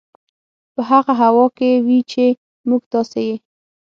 په هغه هوا کې وي چې موږ تاسې یې